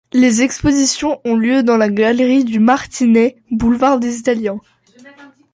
Les expositions ont lieu dans la galerie de Martinet, boulevard des Italiens.